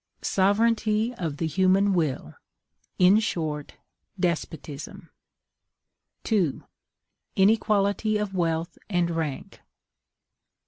SOVEREIGNTY OF THE HUMAN WILL; in short, DESPOTISM. 2. INEQUALITY OF WEALTH AND RANK.